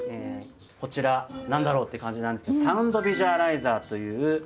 こちらなんだろう？っていう感じなんですけどサウンドビジュアライザーという。